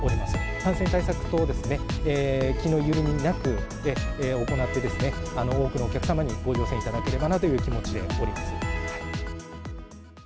感染対策等、気の緩みなく行って、多くのお客様にご乗船いただければなという気持ちでおります。